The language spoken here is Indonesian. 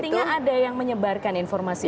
artinya ada yang menyebarkan informasi